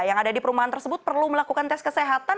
yang ada di perumahan tersebut perlu melakukan tes kesehatan